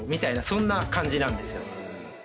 そんな感じなんですよ。